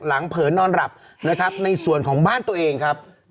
เผลอนอนหลับนะครับในส่วนของบ้านตัวเองครับ